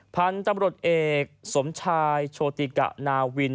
พันธุ์ตำรวจเอกสมชายโชติกะนาวิน